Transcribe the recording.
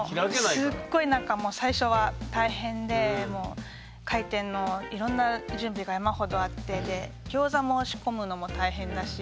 すっごいなんかもう最初は大変で開店のいろんな準備が山ほどあってでギョーザも仕込むのも大変だし。